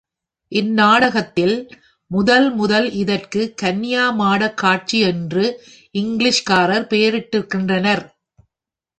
இந்நாடகத்தில் முதன் முதல் இதற்குக் கன்யாமாடக் காட்சி என்று இங்கிலீஷ்காரர் பெயரிட்டிருக்கின்றனர்.